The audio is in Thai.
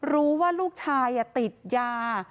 รู้ว่าลูกชายติดยา